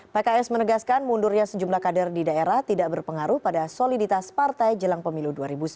pks menegaskan mundurnya sejumlah kader di daerah tidak berpengaruh pada soliditas partai jelang pemilu dua ribu sembilan belas